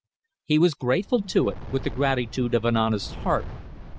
He was grateful to it, with the gratitude of an honest heart.